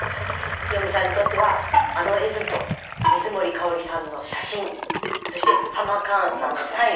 清水さんにとってはあの絵図と水森かおりさんの写真そしてハマカーンさんのサイン